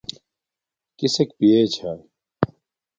کسک پیے چھاݵ